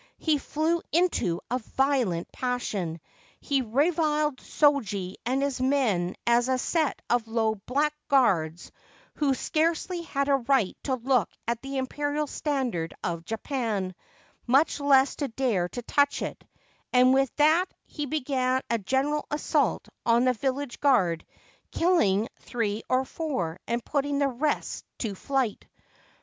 He flew into a violent passion. He reviled Shoji and his men as a set of low blackguards who scarcely had a right to look at the Imperial standard of Japan, much less to dare to touch it ; and with that he began a general assault on the village guard, killing three Murakami Yoshiteru's Faithfulness or" four and putting the rest to flight.